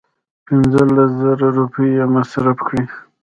پنځه لس زره روپۍ یې مصرف کړې.